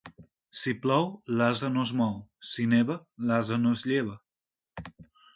Si plou, l'ase no es mou; si neva, l'ase no es lleva.